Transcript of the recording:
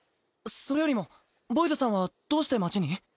それよりもボイドさんはどうして町に？